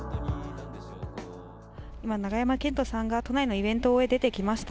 今、永山絢斗さんが都内のイベントを終え、出てきました。